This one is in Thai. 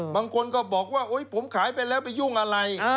บางคนก็บอกว่าผมขายไปแล้วไปยุ่งอะไร